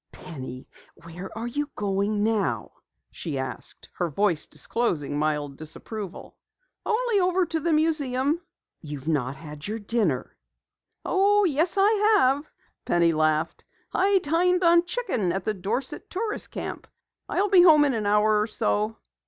"Penny, where are you going now?" she asked, her voice disclosing mild disapproval. "Only over to the museum." "You've not had your dinner." "Oh, yes, I have," Penny laughed. "I dined on chicken at the Dorset Tourist Camp. I'll be home in an hour or so."